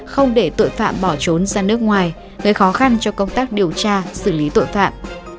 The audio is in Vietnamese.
không để tội phạm bỏ trốn sang nước ngoài gây khó khăn cho công tác điều tra xử lý tội phạm